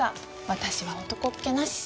私は男っ気なし。